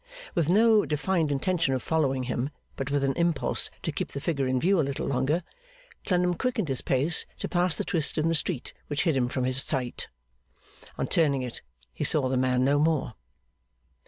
With no defined intention of following him, but with an impulse to keep the figure in view a little longer, Clennam quickened his pace to pass the twist in the street which hid him from his sight. On turning it, he saw the man no more.